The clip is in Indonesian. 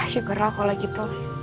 syukurlah kalau gitu